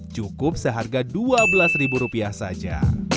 cukup seharga dua belas rupiah saja